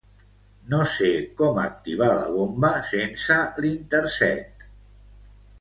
No sé com activar la bomba sense l'Intersect.